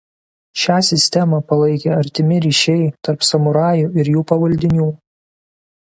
Šią sistemą palaikė artimi ryšiai tarp samurajų ir jų pavaldinių.